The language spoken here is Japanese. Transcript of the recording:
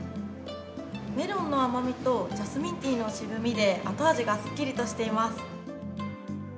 メロンの甘みと、ジャスミンティーの渋みで、後味がすっきりとしています。